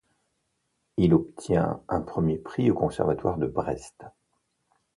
Il obtient un premier prix au Conservatoire de Brest.